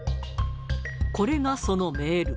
これが、そのメール。